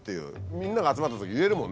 みんなが集まったとき言えるもんね。